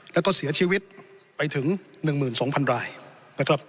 แล้วก็เสียชีวิตไปถึงหนึ่งหมื่นสองพันลายนะครับ